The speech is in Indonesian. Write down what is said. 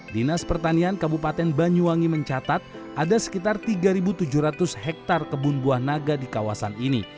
dinas pertanian kabupaten banyuwangi mencatat ada sekitar tiga tujuh ratus hektare kebun buah naga di kawasan ini